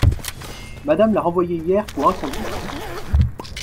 Madame l’a renvoyée hier pour inconduite.